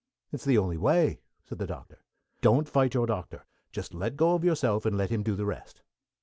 "It's the only way," said the Doctor. "Don't fight your doctor. Just let go of yourself, and let him do the rest."